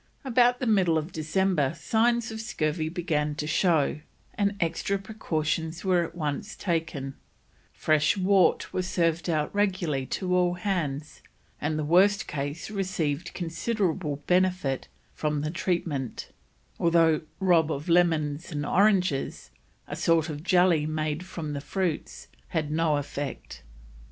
About the middle of December signs of scurvy began to show, and extra precautions were at once taken; fresh wort was served out regularly to all hands and the worst case received considerable benefit from the treatment, although "Rob of Lemons and Oranges" (a sort of jelly made from the fruits) had had no effect.